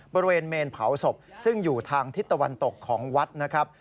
บริเวณเมนเผาศพซึ่งอยู่ทางทิศตะวันตกของวัดนะครับ